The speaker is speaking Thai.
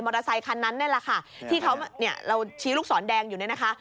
เตอร์ไซคันนั้นนี่แหละค่ะที่เขาเนี่ยเราชี้ลูกศรแดงอยู่เนี่ยนะคะ